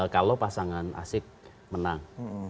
kalau pasangan asyik menang